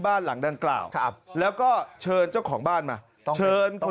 บ้านหลังดังกล่าวครับแล้วก็เชิญเจ้าของบ้านมาต้องเชิญตัว